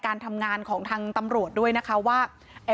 การทำงานของทางตำรวจด้วยนะคะว่า